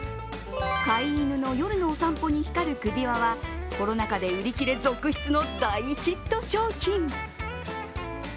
飼い犬の夜のお散歩に光る首輪は、コロナ禍で売り切れ続出の大ヒット商品。